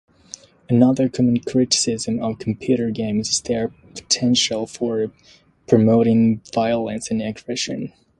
Another common criticism of computer games is their potential for promoting violence and aggression.